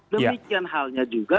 demikian halnya juga